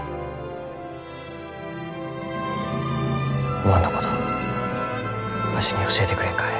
おまんのことわしに教えてくれんかえ？